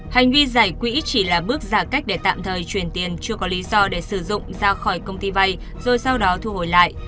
hành vi giải quỹ chỉ là bước giả cách để tạm thời truyền tiền chưa có lý do để sử dụng ra khỏi công ty vay rồi sau đó thu hồi lại